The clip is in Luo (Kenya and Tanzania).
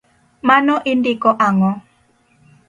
Mano indiko ang’o?